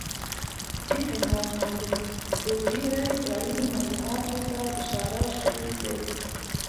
دې عنوان لاندې د ډېرې اړینې موضوعاتو ته اشاره شوی دی